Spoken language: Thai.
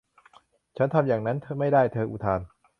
ฉันทำอย่างนั้นไม่ได้เธออุทาน